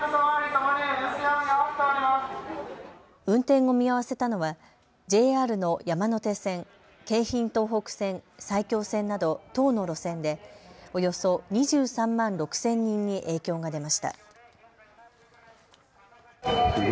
運転を見合わせたのはＪＲの山手線、京浜東北線、埼京線など１０の路線でおよそ２３万６０００人に影響が出ました。